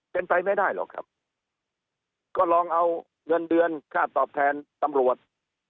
เป็นไปไม่ได้หรอกครับก็ลองเอาเงินเดือนค่าตอบแทนตำรวจ